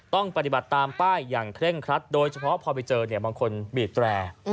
ต้องปฏิบัติตามป้ายอย่างเคร่งครัดโดยเฉพาะพอไปเจอเนี่ยบางคนบีดแตร